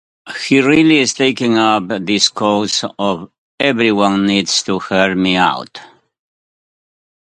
He really is taking up this cause of 'Everyone needs to help me out.